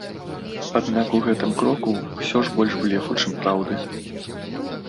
Аднак у гэтым кроку ўсё ж больш блефу, чым праўды.